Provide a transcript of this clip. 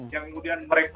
yang kemudian mereka